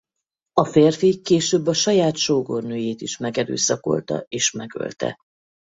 A férfi később a saját sógornőjét is megerőszakolta és megölte.